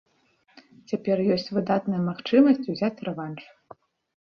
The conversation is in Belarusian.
Цяпер ёсць выдатная магчымасць узяць рэванш.